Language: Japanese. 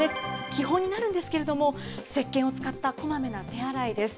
基本になるんですけれども、せっけんを使ったこまめな手洗いです。